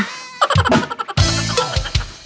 เฮ้ย